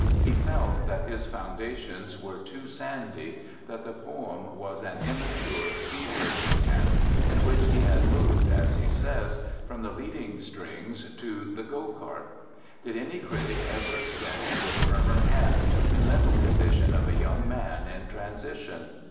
He felt that his foundations were 'too sandy', that the poem was an immature, feverish attempt, in which he had moved, as he says, from the leading strings to the go cart. Did any critic ever sketch with firmer hand the mental condition of a young man in transition